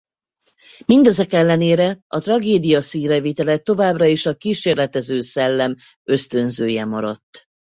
Mindezek ellenére a Tragédia színrevitele továbbra is a kísérletező szellem ösztönzője maradt.